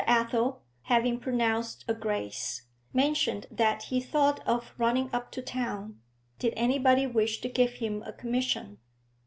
Athel, having pronounced a grace, mentioned that he thought of running up to town; did anybody wish to give him a commission?